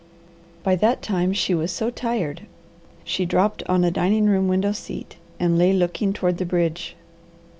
By that time she was so tired she dropped on a dining room window seat, and lay looking toward the bridge.